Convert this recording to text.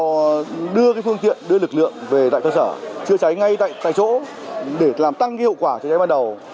chúng tôi đưa cái phương tiện đưa lực lượng về tại cơ sở chữa cháy ngay tại chỗ để làm tăng hiệu quả chữa cháy ban đầu